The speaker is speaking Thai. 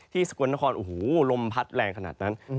สกลนครโอ้โหลมพัดแรงขนาดนั้น